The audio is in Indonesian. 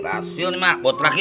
rasio nih mak buat terakhir